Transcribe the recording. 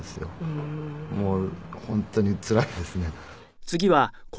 もう本当につらいですね。